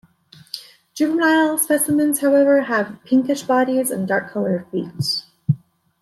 Juvenile specimens, however, have pinkish bodies and dark-colored feet.